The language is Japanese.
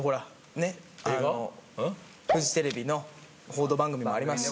フジテレビの報道番組もありますし。